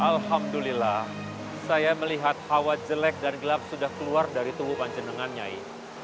alhamdulillah saya melihat hawa jelek dan gelap sudah keluar dari tubuh panjenengan nyai